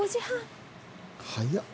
早っ！